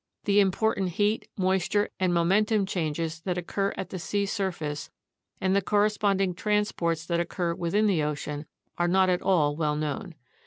The important heat, moisture, and momentum exchanges that occur at the sea surface, and the corresponding transports that occur within the ocean, are not at all well known.